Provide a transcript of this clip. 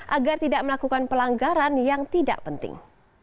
agar tidak melakukan pelanggaran yang tidak penting